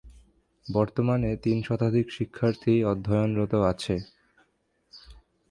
বর্তমানে তিন শতাধিক শিক্ষার্থী অধ্যয়নরত আছে।